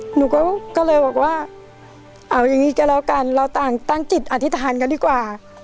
หนูก็เลยบอกว่าเอาอย่างนี้ก็แล้วกันเราต่างตั้งจิตอธิษฐานกันดีกว่า